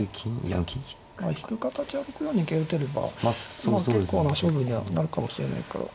引く形は６四に桂打てればまあ結構な勝負にはなるかもしれないから。